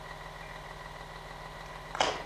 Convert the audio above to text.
头骨顶部短宽。